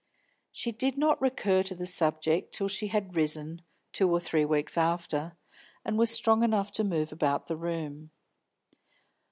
She did not recur to the subject till she had risen, two or three weeks after, and was strong enough to move about the room.